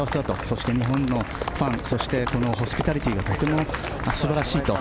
そして、日本のファンそして、ホスピタリティーがとても素晴らしいと。